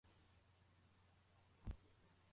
Umugore wambaye imyenda yera afashe umugozi